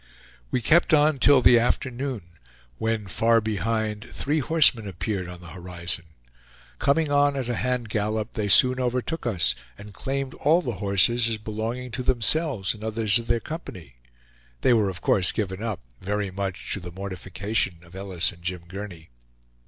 We kept on till the afternoon, when, far behind, three horsemen appeared on the horizon. Coming on at a hand gallop, they soon overtook us, and claimed all the horses as belonging to themselves and others of their company. They were of course given up, very much to the mortification of Ellis and Jim Gurney.